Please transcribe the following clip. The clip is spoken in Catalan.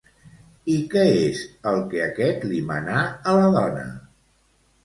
I què és el que aquest li manà a la dona?